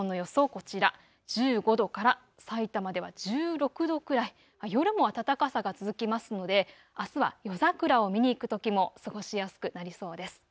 こちら、１５度からさいたまでは１６度くらい、夜も暖かさが続きますのであすは夜桜を見に行くときも過ごしやすくなりそうです。